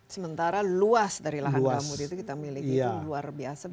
sementara luas dari lahan gambut itu kita miliki itu luar biasa